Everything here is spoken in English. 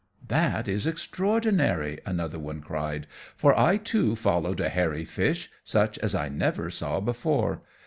"That is extraordinary," another then cried, "for I, too, followed a hairy fish, such as I never saw before.